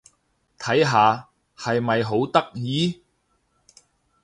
睇下！係咪好得意？